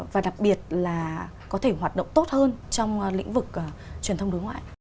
và đặc biệt là có thể hoạt động tốt hơn trong lĩnh vực truyền thông đối ngoại